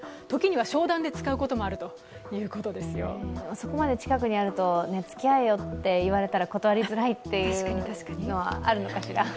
そこまで近くにあるとつき合えよと言われたら断りづらいっていうのはあるのかしら。